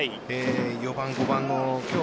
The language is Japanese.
４番、５番の今日